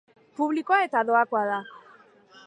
Publikoa eta doakoa da.